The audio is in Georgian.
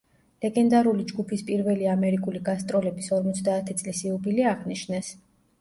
ლეგენდარული ჯგუფის პირველი ამერიკული გასტროლების ორმოცდაათი წლის იუბილე აღნიშნეს.